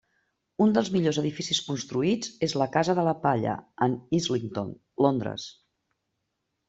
Un dels millors edificis construïts és la Casa de la Palla en Islington, Londres.